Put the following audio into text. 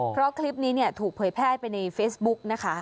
เพราะคลิปนี้เนี่ยถูกเผยแพร่ไปในเฟซบุ๊กนะคะ